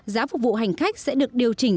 giá phục vụ hành khách sẽ được điều chỉnh